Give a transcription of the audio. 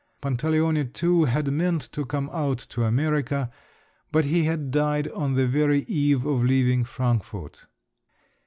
Pantaleone, too, had meant to come out to America, but he had died on the very eve of leaving Frankfort.